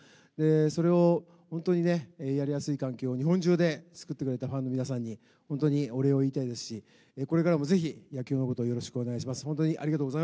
それを本当にね、やりやすい環境を日本中で作ってくれたファンの皆さんに、本当にお礼を言いたいですし、これからもぜひ、野球のことをよろしくお願いします。